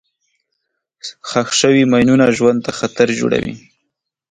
ښخ شوي ماینونه ژوند ته خطر جوړوي.